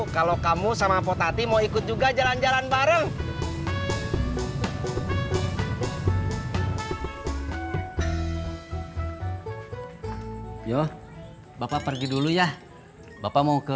kalau kamu sama potati mau ikut juga jalan jalan bareng ya bapak pergi dulu ya bapak mau ke